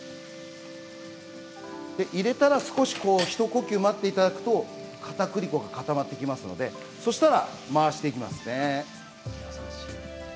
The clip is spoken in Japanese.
入れたら少し、ひと呼吸待っていただくとかたくり粉が固まってきますのでそうしたら回していきますね。